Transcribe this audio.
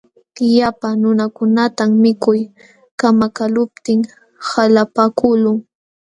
Llapa nunakunatam mikuy kamakaqluptin qalapaakuqlun.